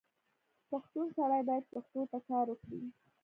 پښتون سړی باید پښتو ته کار وکړي.